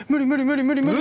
無理無理。